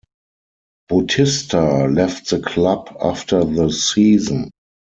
Bautista left the club after the season.